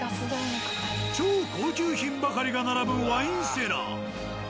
超高級品ばかりが並ぶワインセラー。